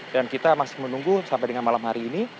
dan kita masih menunggu sampai dengan malam hari ini